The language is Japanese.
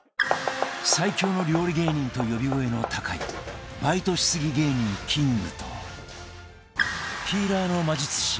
最強の料理芸人と呼び声の高いバイトしすぎ芸人キングとピーラーの魔術師